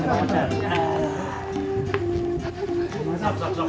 masak masak masak